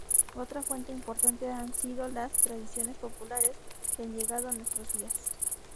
Otra fuente importante han sido las tradiciones populares que han llegado a nuestros días.